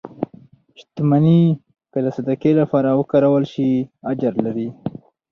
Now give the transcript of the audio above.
• شتمني که د صدقې لپاره وکارول شي، اجر لري.